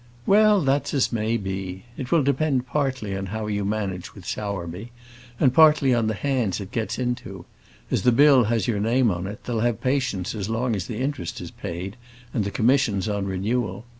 "Well, that's as may be. It will depend partly on how you manage with Sowerby, and partly on the hands it gets into. As the bill has your name on it, they'll have patience as long as the interest is paid, and the commissions on renewal.